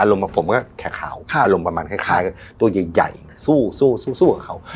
อารมณ์กับผมก็แขกขาวค่ะอารมณ์ประมาณคล้ายคล้ายตัวใหญ่ใหญ่สู้สู้สู้สู้กับเขา